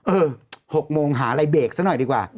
เออ๖โมงหาอะไรเบรคสักหน่อยดีกว่า